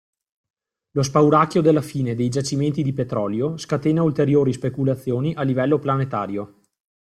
Lo spauracchio della fine dei giacimenti di petrolio scatena ulteriori speculazioni a livello planetario.